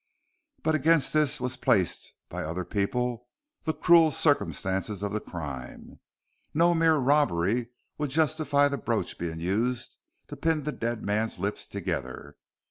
But against this was placed by other people the cruel circumstances of the crime. No mere robbery would justify the brooch being used to pin the dead man's lips together.